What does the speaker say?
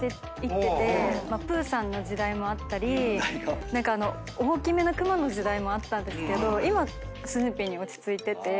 プーさんの時代もあったり大きめな熊の時代もあったんですけど今スヌーピーに落ち着いてて。